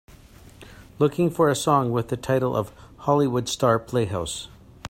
Looking for a song with the title of Hollywood Star Playhouse